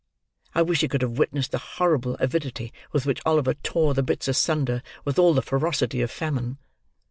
I wish he could have witnessed the horrible avidity with which Oliver tore the bits asunder with all the ferocity of famine.